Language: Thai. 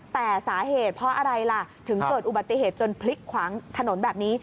แต่สาเหตุเพราะอะไรล่ะถึงเกิดอุบัติเหตุจนพลิกขวางถนนแบบนี้